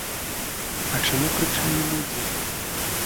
А чаму крычалі людзі?